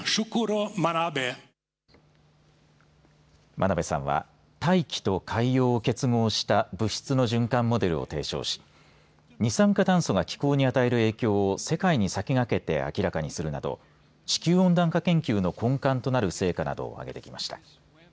真鍋さんは大気と海洋を結合した物質の循環モデルを提唱し二酸化炭素が気候に与える影響を世界に先駆けて明らかにするなど地球温暖化研究の根幹となる成果などをあげてきました。